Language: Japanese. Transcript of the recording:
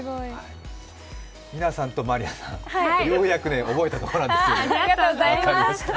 みなさんとまりあさん、ようやく覚えたところなんです。